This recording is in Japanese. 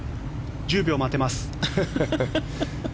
１０秒待てます。